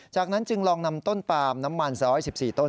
จากนั้นจึงลองนำต้นปาล์มน้ำมัน๒๑๔ต้น